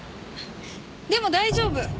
でも大丈夫。